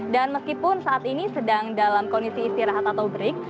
dan meskipun saat ini sedang dalam kondisi istirahat atau break